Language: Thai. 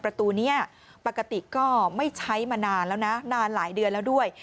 ประตูนี้ปกติก็ไม่ใช้มานานแล้วนะนานหลายเดือนแล้วด้วย